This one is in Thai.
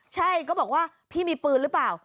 ใช่ก็บอกว่าพี่มีปืนหรือเปล่า